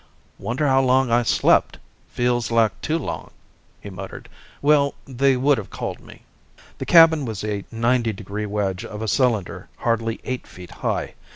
"Wonder how long I slept ... feels like too long," he muttered. "Well, they would have called me." The "cabin" was a ninety degree wedge of a cylinder hardly eight feet high.